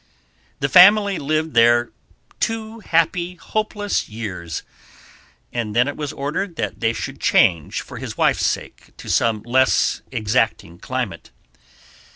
The family lived there two happy, hopeless years, and then it was ordered that they should change for his wife's sake to some less exacting climate.